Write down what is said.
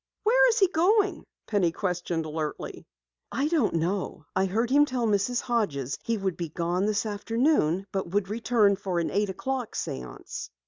"Where is he going?" Penny questioned alertly. "I don't know. I heard him tell Mrs. Hodges he would be gone this afternoon, but would return for an eight o'clock séance."